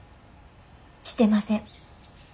してません。